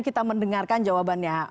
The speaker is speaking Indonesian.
kita mendengarkan jawabannya